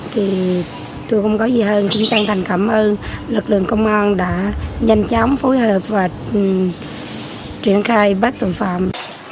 thì tôi cũng có gì hơn cũng chân thành cảm ơn lực lượng công an đã nhanh chóng phối hợp và triển khai bắt tội phạm